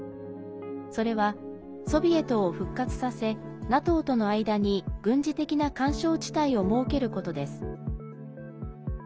それはソビエトを復活させＮＡＴＯとの間に軍事的な緩衝地帯を設けることです。